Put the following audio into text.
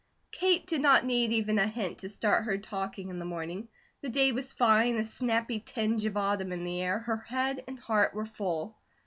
Kate did not need even a hint to start her talking in the morning. The day was fine, a snappy tinge of autumn in the air, her head and heart were full.